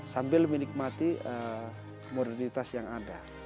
sambil menikmati modernitas yang ada